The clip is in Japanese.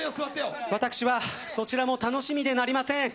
私は、そちらも楽しみでなりません。